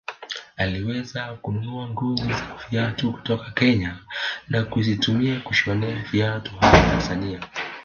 Aliweza kununua ngozi za viatu kutoka Kenya na kuzitumia kushonea viatu hapa Tanzania